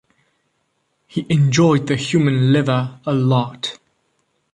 He enjoyed the human liver a lot.